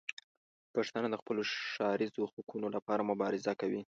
پښتانه د خپلو ښاریزو حقونو لپاره مبارزه کوي.